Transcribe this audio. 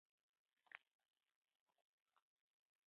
بانکونه د هیواد د مالي قانون اطاعت کوي.